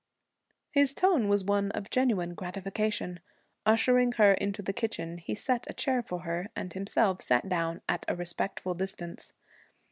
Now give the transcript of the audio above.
His tone was one of genuine gratification. Ushering her into the kitchen, he set a chair for her, and himself sat down at a respectful distance.